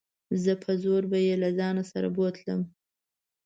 په زوره به يې له ځان سره بوتلم.